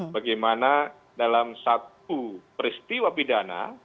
bagaimana dalam satu peristiwa pidana